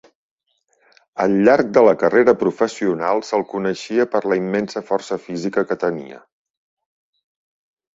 Al llarg de la carrera professional se'l coneixia per la immensa força física que tenia.